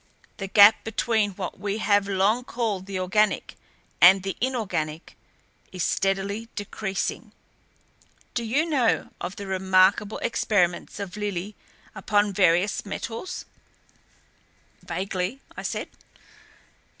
The gap between what we have long called the organic and the inorganic is steadily decreasing. Do you know of the remarkable experiments of Lillie upon various metals?" "Vaguely," I said.